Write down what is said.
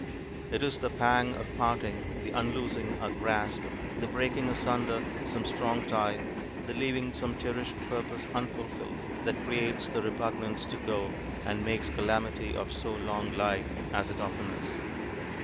It is the pang of parting, the unloosing our grasp, the breaking asunder some strong tie, the leaving some cherished purpose unfulfilled, that creates the repugnance to go, and 'makes calamity of so long life,' as it often is.